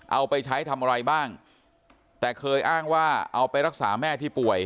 เอาไปใช้ทำอะไรบ้างแต่เคยอ้างว่าเอาไปรักษาแม่ที่ป่วย